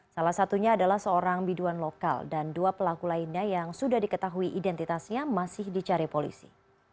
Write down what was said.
salah satunya adalah seorang biduan lokal dan dua pelaku lainnya yang sudah diketahui identitasnya masih dicari polisi